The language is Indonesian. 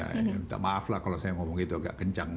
minta maaf lah kalau saya ngomong gitu agak kencang